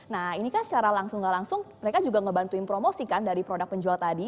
nah ini kan secara langsung gak langsung mereka juga ngebantuin promosi kan dari produk penjual tadi